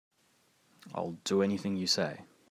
I'll do anything you say.